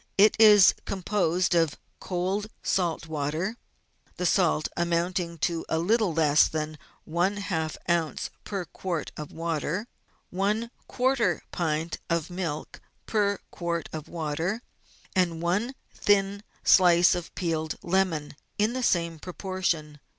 It is composed of cold, salt water (the salt amounting to a little less than one half oz. per quart of water), one quarter pint of milk per quart of water, and one thin slice of peeled lemon in the same proportion.